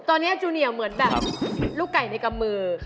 ตอนนี้จูเนียเหมือนแบบลูกไก่ในกำมือ